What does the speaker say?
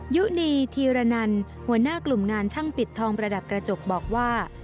ยุนีธีรนันหัวหน้ากลุ่มงานช่างปิดทองประดับกระจกบอกว่า